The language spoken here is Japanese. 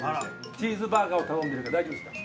チーズバーガーを頼んでるけど大丈夫ですか？